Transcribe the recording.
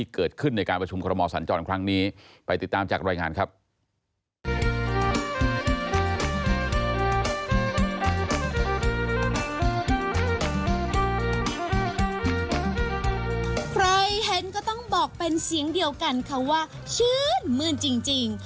ใครเห็นก็ต้องบอกเป็นเสียงเดียวกันค่ะว่าชื่นมื้นจริง